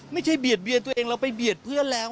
เบียดเบียนตัวเองเราไปเบียดเพื่อนแล้ว